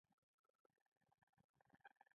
تیمور په اسانۍ سره هېواد ونیو.